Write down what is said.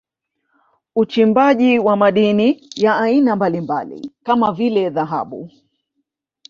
Uchimbaji wa madini ya aina mbalimbali kama vile Dhahabu